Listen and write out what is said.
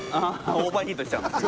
オーバーヒートしちゃうんですよ。